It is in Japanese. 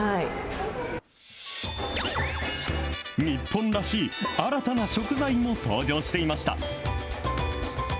日本らしい新たな食材も登場していました。